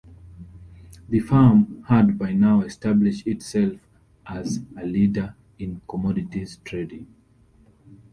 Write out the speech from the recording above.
The firm had by now established itself as a leader in commodities trading.